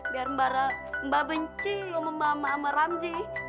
biar mbak benci lo sama mbak sama ramji